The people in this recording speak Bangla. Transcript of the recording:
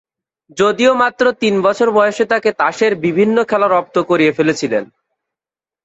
যদিও মাত্র তিন বছর বয়সে তাকে তাসের বিভিন্ন খেলা রপ্ত করিয়ে ফেলেছিলেন।